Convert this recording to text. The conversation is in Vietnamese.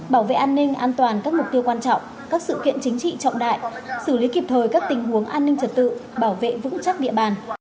bảo vệ an ninh an toàn các mục tiêu quan trọng các sự kiện chính trị trọng đại xử lý kịp thời các tình huống an ninh trật tự bảo vệ vững chắc địa bàn